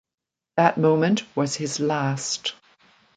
That moment was his last.